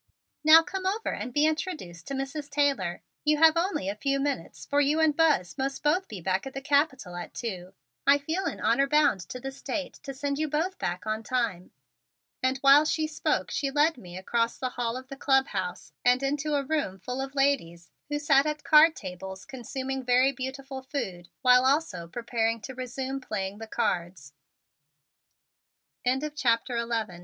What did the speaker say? "Now come over and be introduced to Mrs. Taylor. You have only a few minutes, for you and Buzz must both be back at the Capitol at two. I feel in honor bound to the State to send you both back on time." And while she spoke she led me across the hall of the clubhouse and into a room full of ladies, who sat at card tables consuming very beautiful food whil